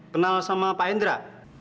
kenal sama pak hendra